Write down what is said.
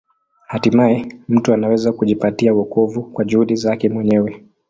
Hatimaye mtu anaweza kujipatia wokovu kwa juhudi zake mwenyewe.